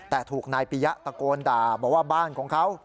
แต่ถูกนายปียะตะโกนด่าบอกว่าบ้านของเขา